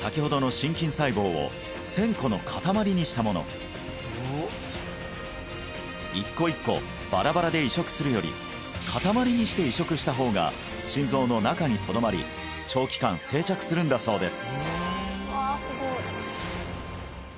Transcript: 我々は一個一個バラバラで移植するより塊にして移植した方が心臓の中にとどまり長期間生着するんだそうです